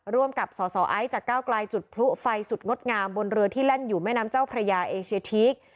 ร่วมกับสสไอซ์จากก้าวกลายจุดพลุไฟสุดงดงามบนเรือที่แล่นอยู่แม่น้ำเจ้าพระยาเอเชียทีก